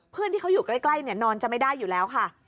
เพื่อนที่เขาอยู่ใกล้นอนจะไม่ได้อยู่แล้วค่ะ